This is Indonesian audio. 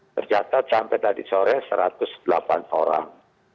tercatat sampai tadi sore satu ratus delapan orang